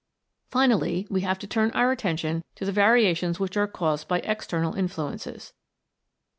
Finally, we have to turn our attention to the variations which are caused by external influences.